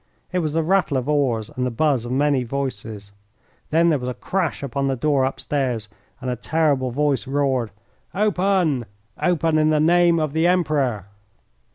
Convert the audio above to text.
It was the rattle of oars and the buzz of many voices. Then there was a crash upon the door upstairs, and a terrible voice roared: "Open! Open in the name of the Emperor!"